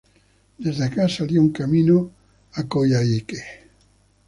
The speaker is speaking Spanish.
Desde acá salía un camino a Coyhaique.